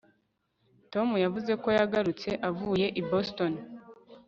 tom yavuze ko yagarutse avuye i boston